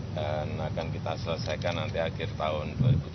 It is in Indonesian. dan akan kita selesaikan nanti akhir tahun dua ribu tujuh belas